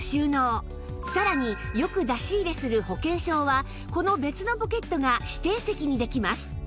さらによく出し入れする保険証はこの別のポケットが指定席にできます